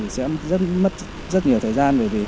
sẽ mất rất nhiều thời gian